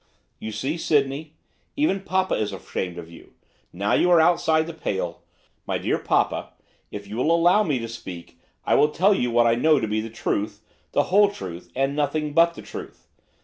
'You see, Sydney, even papa is ashamed of you; now you are outside the pale. My dear papa, if you will allow me to speak, I will tell you what I know to be the truth, the whole truth, and nothing but the truth.